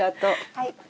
はい。